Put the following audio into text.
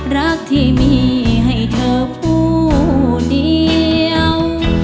รักที่มีให้เธอผู้เดียว